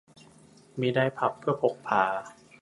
ไม่ได้พับเพื่อพกพา